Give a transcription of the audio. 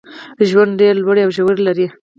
ژوند ډېري لوړي او ژوري لري.